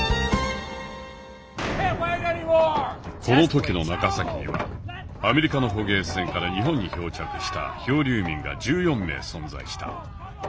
この時の長崎にはアメリカの捕鯨船から日本に漂着した漂流民が１４名存在した。